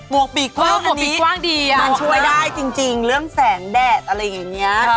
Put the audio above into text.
วกปีกกว้างกว่านี้มันช่วยได้จริงเรื่องแสงแดดอะไรอย่างนี้